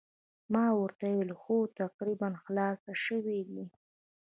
ما ورته وویل هو تقریباً خلاص شوي دي.